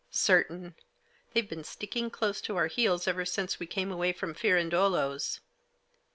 u Certain. They've been sticking close at our heels ever since we came away from Firandolo's."